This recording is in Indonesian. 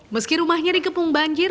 meski rumahnya dikepung banjir